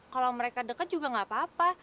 kalo mereka deket juga gak apa apa